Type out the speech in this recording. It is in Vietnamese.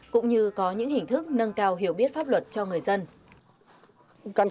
cũng như có những hình thức nâng cao hiểu biết pháp luật cho người dân